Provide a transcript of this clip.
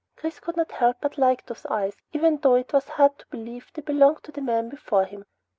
Chris could not help but like those eyes, even though it was hard to believe they belonged to the man before him.